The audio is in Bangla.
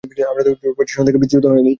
আমরা তো পজিশন থেকে বিচ্যুত হয়ে গেছি।